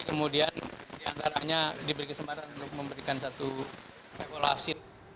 kemudian diantaranya diberi kesempatan untuk memberikan satu regulasi